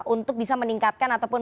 untuk bisa meningkatkan ataupun